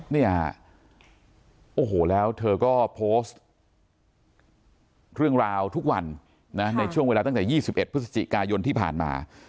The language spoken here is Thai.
เนี่ยโอ้โหแล้วเธอก็โพสต์เรื่องราวทุกวันนะในช่วงเวลาตั้งแต่๒๑พฤศจิกายนที่ผ่านมา